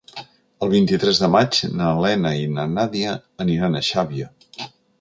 El vint-i-tres de maig na Lena i na Nàdia aniran a Xàbia.